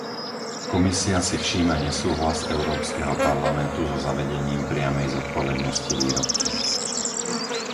Komisia si všíma nesúhlas Európskeho parlamentu so zavedením priamej zodpovednosti výrobcu.